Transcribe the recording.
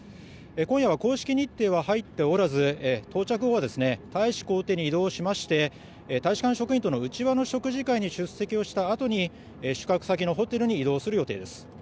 今夜は公式日程は入っておらず到着後は大使公邸に移動しまして大使館職員との内輪の食事会に出席したあとに宿泊先のホテルに移動する予定です。